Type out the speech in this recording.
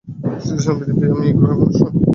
Serous আমি পৃথিবীর আমি এই গ্রহের মানুষ নই।